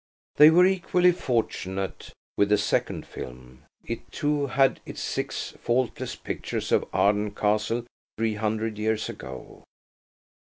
They were equally fortunate with the second film. It, too, had its six faultless pictures of Arden Castle three hundred years ago.